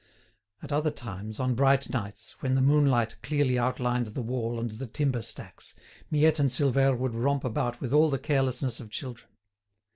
At other times, on bright nights, when the moonlight clearly outlined the wall and the timber stacks, Miette and Silvère would romp about with all the carelessness of children.